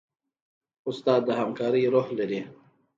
استاد د همکارۍ روح لري.